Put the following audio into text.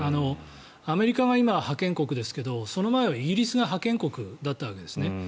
アメリカが今、覇権国ですがその前はイギリスが覇権国だったわけですね。